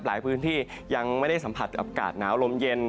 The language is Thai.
หลายพื้นที่ยังไม่ได้สัมผัสอากาศหนาวลมเย็น